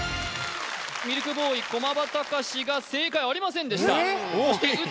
ミルクボーイ・駒場孝が正解ありませんでした・えっ？